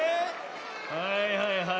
はいはいはい。